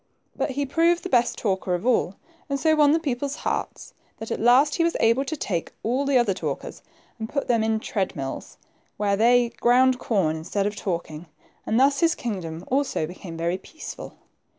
But he proved the best talker of all, and so won the people's hearts, that at last he was able to take all the other talkers and put them in treadmills, where they ground corn instead of talking ;* and thus his kingdom also became very peaceful.